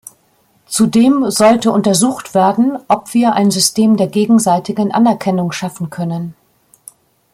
Zudem sollte untersucht werden, ob wir ein System der gegenseitigen Anerkennung schaffen können.